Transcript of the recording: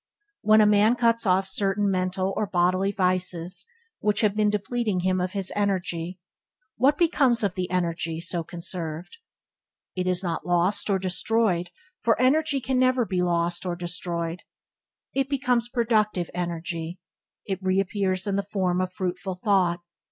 When a man cuts off certain mental or bodily vices which have been depleting him of his energy, what becomes of the energy so conserved? It is not destroyed or lost, for energy can never be destroyed or lost. It becomes productive energy. It reappears in the form of fruitful thought.